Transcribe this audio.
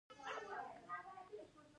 زه تر خوب مخکښي مسواک وهم.